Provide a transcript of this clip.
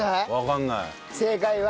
正解は。